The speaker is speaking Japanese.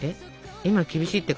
今は厳しいってか？